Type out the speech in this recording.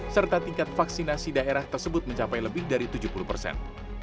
serta tingkat vaksinasi daerah tersebut mencapai lebih dari tujuh puluh persen